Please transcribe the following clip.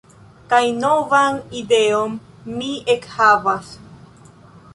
Kaj novan ideon mi ekhavas.